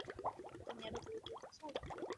তুমি আরো দেরি করতে চাও?